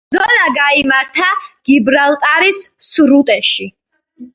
ბრძოლა გაიმართა გიბრალტარის სრუტეში.